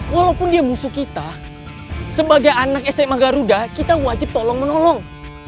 walaupun dia musuh kita sebagai anak sma garuda kita wajib tolong menolong